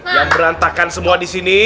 yang berantakan semua di sini